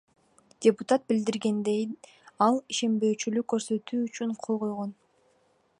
Депутат билдиргендей, ал ишенбөөчүлүк көрсөтүү үчүн кол койгон.